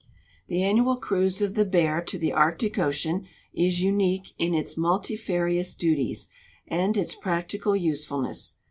The annual cruise of the Bear to the Arctic ocean is unique in its multifarious duties and its practical usefulness.